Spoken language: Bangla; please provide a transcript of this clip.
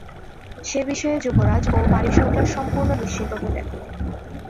সে বিষয়ে যুবরাজ ও পারিষদরা সম্পূর্ণ নিশ্চিন্ত হলেন।